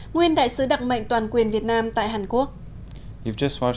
nguyên đại sứ đặc mệnh toàn quyền việt nam tại hàn quốc